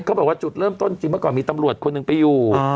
เขาบอกว่าจุดเริ่มต้นจริงเมื่อก่อนมีตำรวจคนหนึ่งไปอยู่